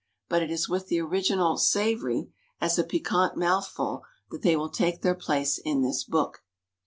But it is with the original "savory" as a piquant mouthful that they will take their place in this book.